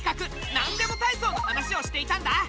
「なんでもたいそう」の話をしていたんだ。